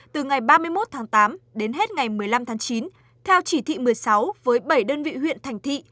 từ ngày ba mươi một tháng tám đến hết ngày một mươi năm tháng chín theo chỉ thị một mươi sáu với bảy đơn vị huyện thành thị